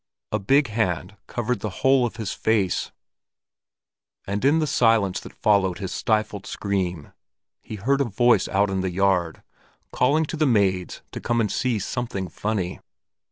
A big hand covered the whole of his face, and in the silence that followed his stifled scream, he heard a voice out in the yard, calling to the maids to come and see something funny.